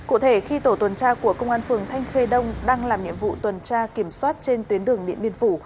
cụ thể khi tổ tuần tra của công an phường thanh khê đông đang làm nhiệm vụ tuần tra kiểm soát trên tuyến đường điện biên phủ